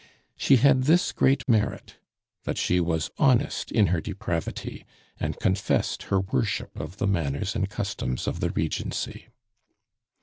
She had this great merit that she was honest in her depravity, and confessed her worship of the manners and customs of the Regency.